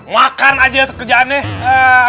makan aja kerjaannya